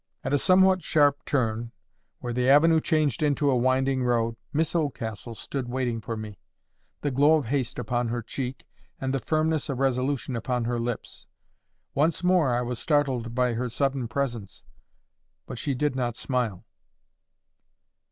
At a somewhat sharp turn, where the avenue changed into a winding road, Miss Oldcastle stood waiting for me, the glow of haste upon her cheek, and the firmness of resolution upon her lips. Once more I was startled by her sudden presence, but she did not smile.